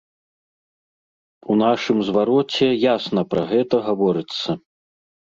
У нашым звароце ясна пра гэта гаворыцца.